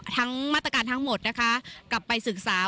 ทั้งมาตรการทั้งหมดนะคะกลับไปศึกษา